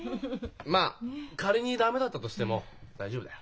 まあ仮に駄目だったとしても大丈夫だよ。